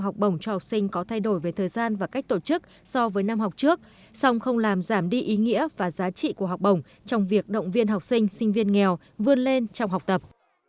học bổng cho học sinh có thay đổi về thời gian và cách tổ chức so với năm học trước song không làm giảm đi ý nghĩa và giá trị của học bổng trong việc động viên học sinh sinh viên nghèo vươn lên trong học tập